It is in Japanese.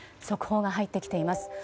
速報が入ってきています。